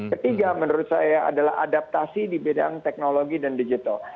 ketiga menurut saya adalah adaptasi di bidang teknologi dan digital